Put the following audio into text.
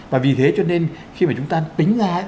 và vì thế cho nên khi mà chúng ta tính ra